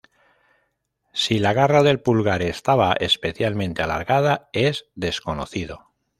Si la garra del pulgar estaba especialmente alargada es desconocido.